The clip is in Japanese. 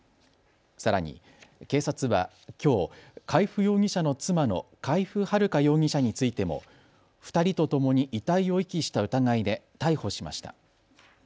さらに警察はきょう、海部容疑者の妻の海部春香容疑者についても２人とともに遺体を遺棄した疑いで逮捕しました。